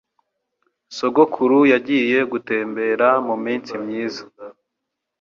Sogokuru yagiye gutembera muminsi myiza